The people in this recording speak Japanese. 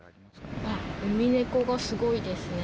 ウミネコがすごいですね。